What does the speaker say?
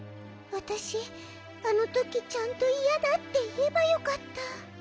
わたしあのときちゃんといやだっていえばよかった。